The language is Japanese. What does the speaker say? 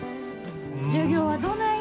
授業はどない？